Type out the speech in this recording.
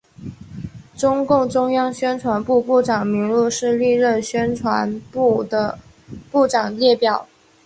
中共中央宣传部部长名录是历任宣传部部长列表。